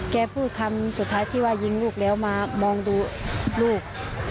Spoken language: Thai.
พูดคำสุดท้ายที่ว่ายิงลูกแล้วมามองดูลูก